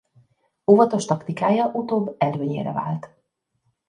Óvatos taktikája utóbb előnyére vált.